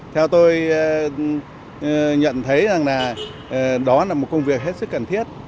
theo tôi nhận thấy rằng là đó là một công việc hết sức cần thiết